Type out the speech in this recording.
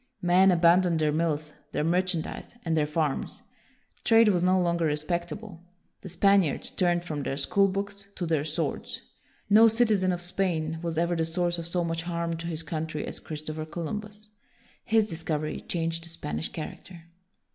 Men abandoned their mills, their merchan dise, and their farms. Trade was no longer respectable. The Spaniards turned from their school books to their swords. No citizen of Spain was ever the source of so much harm to his country as Christopher Columbus. His discovery changed the Spanish character.